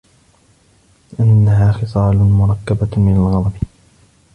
لِأَنَّهَا خِصَالٌ مُرَكَّبَةٌ مِنْ الْغَضَبِ